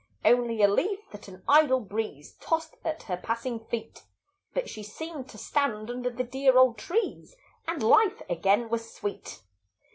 Only a leaf that an idle breeze Tossed at her passing feet; But she seemed to stand under the dear old trees, And life again was sweet.